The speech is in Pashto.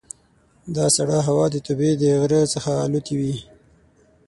دا سړه هوا د توبې د غره څخه را الوتې وي.